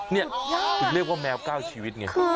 นี่เรียกว่าแมวก้าวชีวิตไง